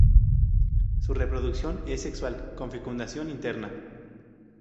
Su reproducción es sexual con fecundación interna.